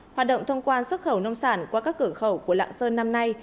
hoạt động thông quan xuất khẩu nông sản qua các cửa khẩu của lạng sơn năm nay